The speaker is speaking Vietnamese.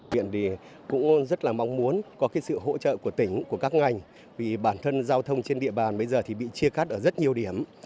huyện thì cũng rất là mong muốn có sự hỗ trợ của tỉnh của các ngành vì bản thân giao thông trên địa bàn bây giờ thì bị chia cắt ở rất nhiều điểm